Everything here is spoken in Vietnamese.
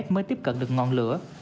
mới tiếp cận được ngọn lửa